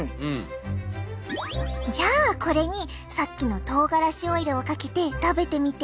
じゃあこれにさっきのとうがらしオイルをかけて食べてみて！